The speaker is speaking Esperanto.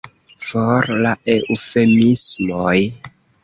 For la eŭfemismoj!